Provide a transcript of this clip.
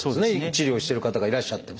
治療してる方がいらっしゃっても。